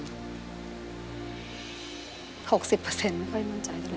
๖๐ไม่ค่อยมั่นใจ